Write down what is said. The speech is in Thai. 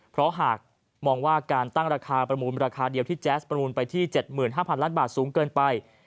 เพราะหากมองว่าการตั้งราคาประมูลราคาเดียวที่แจ๊สประมูลไปที่๗๕๐๐ล้านบาทสูงเกินไป